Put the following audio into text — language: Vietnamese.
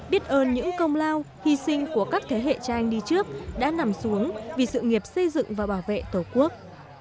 biết ơn những công lao hy sinh của các thế hệ cha anh đi trước đã nằm xuống vì sự nghiệp xây dựng và bảo vệ tổ quốc